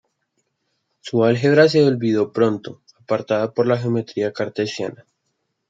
Su álgebra se olvidó pronto, apartada por la geometría cartesiana.